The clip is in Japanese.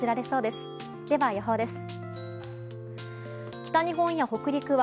では、予報です。